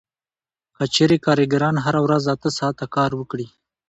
که چېرې کارګران هره ورځ اته ساعته کار وکړي